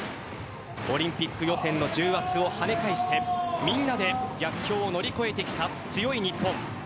オリンピック予選の重圧を跳ね返してみんなで逆境を乗り越えてきた強い日本。